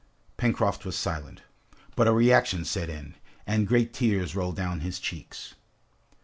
Pencroft was silent, but a reaction set in, and great tears rolled down his cheeks.